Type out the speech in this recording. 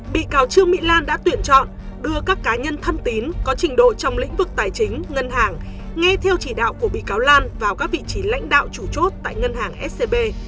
bị cáo trương mỹ lan đã tuyển chọn đưa các cá nhân thân tín có trình độ trong lĩnh vực tài chính ngân hàng nghe theo chỉ đạo của bị cáo lan vào các vị trí lãnh đạo chủ chốt tại ngân hàng scb